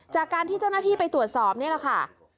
จากการที่เจ้าหน้าที่ไปตรวจสอบนี่แหละค่ะ